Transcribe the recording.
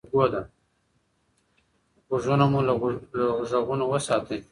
غوږونه مو له غږونو وساتئ.